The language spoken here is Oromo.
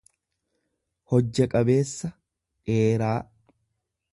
hojja qabeessa, dheeraa.